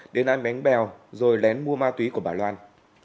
đến ăn bánh bèo rồi lén mua ma túy của bà loan